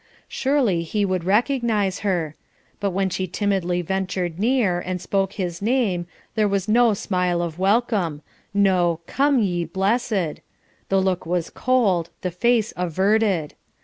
Surely he would recognise her; but when she timidly ventured nearer, and spoke his name, there was no smile of welcome, no "Come, ye blessed;" the look was cold, the face averted.